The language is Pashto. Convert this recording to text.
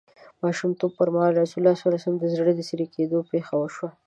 ماشومتوب پر مهال رسول الله ﷺ د زړه د څیری کیدو پېښه وشوه.